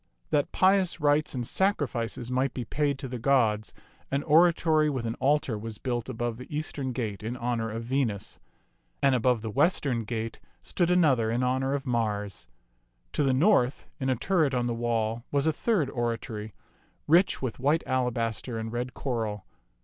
That pious rites and sacrifices might be paid to the gods, an oratory with an altar was built above the eastern gate in honor of Venus ; and above the western gate stood another in honor of Mars. To the north, in a turret on the wall, was a third oratory, rich with white alabaster and red coral.